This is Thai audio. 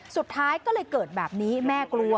สุดท้ายก็เลยเกิดแบบนี้แม่กลัว